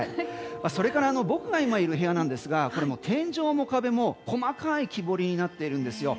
それから僕が今いる部屋なんですがこれ、天井も壁も細かい木彫りになっているんですよ。